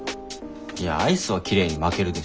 いやアイスはきれいに巻けるでしょ。